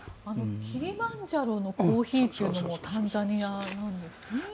キリマンジャロのコーヒーというのもタンザニアなんですってね。